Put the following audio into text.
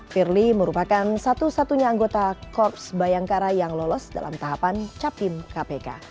firly merupakan satu satunya anggota korps bayangkara yang lolos dalam tahapan capim kpk